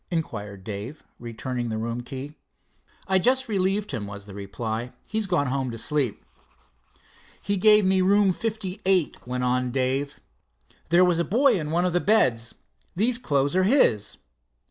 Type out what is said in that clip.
inquired Dave, returning the room key. "I just relieved him," was the reply. "He's gone home to sleep." "He gave me room 58," went on Dave. "There was a boy in one of the beds. These clothes are his."